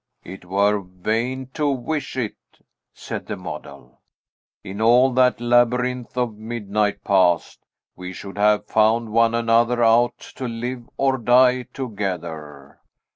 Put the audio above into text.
"It were vain to wish it," said the model. "In all that labyrinth of midnight paths, we should have found one another out to live or die together.